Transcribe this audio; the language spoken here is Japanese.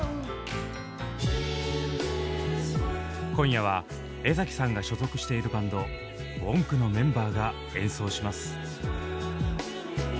今夜は江さんが所属しているバンドＷＯＮＫのメンバーが演奏します。